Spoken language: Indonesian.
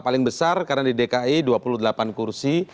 paling besar karena di dki dua puluh delapan kursi